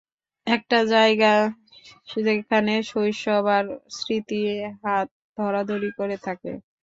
একটা জায়গা যেখানে শৈশব আর স্মৃতি হাত ধরাধরি করে থাকে।